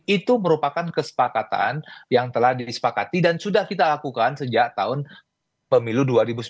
itu merupakan kesepakatan yang telah disepakati dan sudah kita lakukan sejak tahun pemilu dua ribu sembilan belas